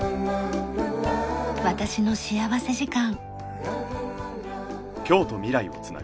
『私の幸福時間』。